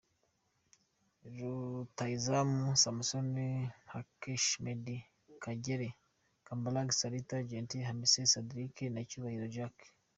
Rutahizamu : Samson Jakeshi, Meddie Kagere, Kambale Salita Gentil , Hamissi Cedric na Cyubahiro Jacques ;.